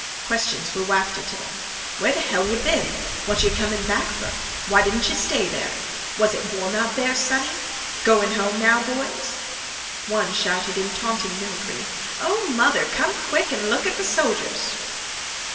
Questions were wafted to them. "Where th' hell yeh been?" "What yeh comin' back fer?" "Why didn't yeh stay there?" "Was it warm out there, sonny?" "Goin' home now, boys?" One shouted in taunting mimicry: "Oh, mother, come quick an' look at th' sojers!"